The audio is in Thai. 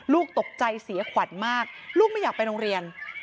ลูกตกใจเสียขวัญมากลูกไม่อยากไปโรงเรียน